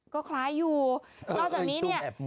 ก็คล้ายอยู่นอกจากนี้เนี่ย